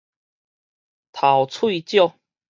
頭喙少